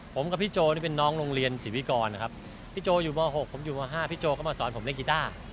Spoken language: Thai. ผมกับพี่โจนี่เป็นน้องโรงเรียนศรีวิกรนะครับพี่โจอยู่ม๖ผมอยู่ม๕พี่โจก็มาสอนผมเล่นกีต้า